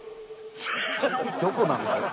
どこなんでしょう？